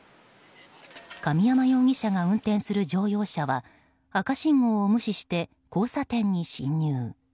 神山容疑者が運転する乗用車は赤信号を無視して交差点に進入。